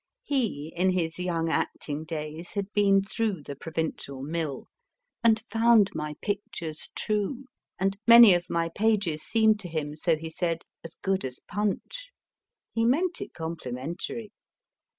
He, in his young acting days, had been through the provincial mill, and found my pictures true, and many of my pages seemed to him, so he said, as good as Punch! (He meant it complimentary.)